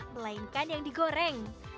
melainkan yang digoreng